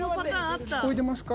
聞こえてますか？